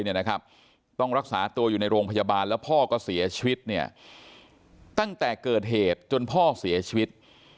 ต้องรักษาตัวอยู่ในโรงพยาบาลแล้วพ่อก็เสียชีวิตเนี่ยตั้งแต่เกิดเหตุจนพ่อเสียชีวิต